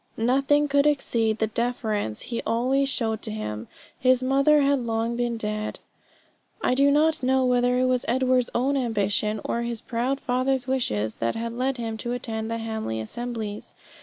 Nothing could exceed the deference he always showed to him. His mother had long been dead. I do not know whether it was Edward's own ambition or his proud father's wishes that had led him to attend the Hamley assemblies.